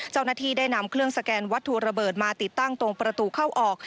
เจ้าหน้าที่ได้นำเครื่องสแกนวัตถุระเบิดมาติดตั้งตรงประตูเข้าออก